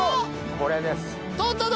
これです。